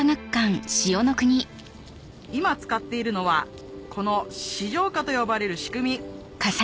今使っているのはこの枝条架と呼ばれる仕組み